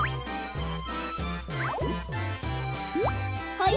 はい。